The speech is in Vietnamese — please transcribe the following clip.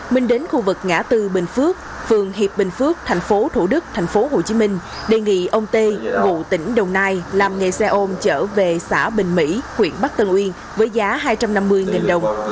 minh đến khu vực ngã tư bình phước phường hiệp bình phước thành phố thủ dương thành phố thủ dương thành phố hồ chí minh đề nghị ông tê ngụ tỉnh đồng nai làm nghề xe ôn chở về xã bình mỹ huyện bắc tân uyên với giá hai trăm năm mươi đồng